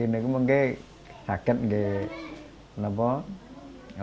ini terjadi karena elephants ini berat